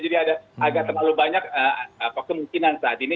jadi ada agak terlalu banyak kemungkinan saat ini